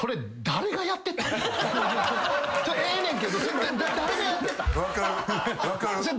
誰がやってたん？